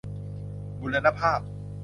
บูรณภาพ